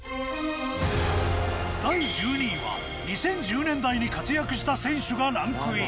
第１２位は２０１０年代に活躍した選手がランクイン。